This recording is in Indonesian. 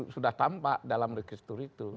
sudah tampak dalam gestur itu